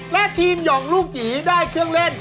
และทีมหย่องลูกหยีได้เครื่องเล่น